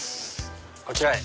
こちらへ。